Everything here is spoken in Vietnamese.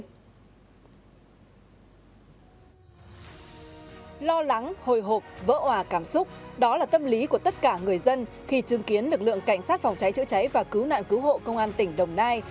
lo lắng hồi hộp vỡ hòa cảm xúc đó là tâm lý của tất cả người dân khi chứng kiến lực lượng cảnh sát phòng cháy chữa cháy và cứu nạn cứu hộ công an tỉnh đồng nai